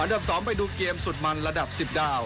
อันดับสองไปดูเกมสุดมันระดับสิบดาว